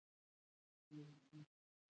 دې کار زه وهڅولم چې دا مسله وڅیړم